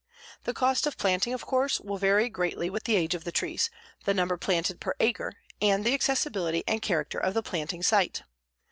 The cost of planting, of course, will vary greatly with the age of the trees, the number planted per acre and the accessibility and character of the planting site.